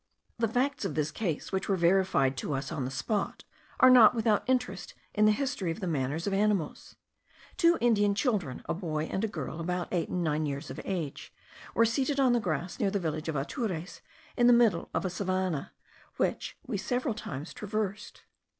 The facts of this case, which were verified to us on the spot, are not without interest in the history of the manners of animals. Two Indian children, a boy and a girl, about eight and nine years of age, were seated on the grass near the village of Atures, in the middle of a savannah, which we several times traversed.